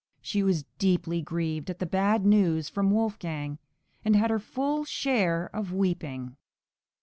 She was deeply grieved at the bad news from Wolfgang, and "had her full share of weeping."